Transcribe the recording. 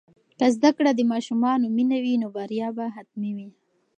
که زده کړه د ماشومانو مینه وي، نو بریا به حتمي وي.